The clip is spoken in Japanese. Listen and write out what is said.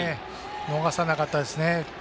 逃さなかったですね。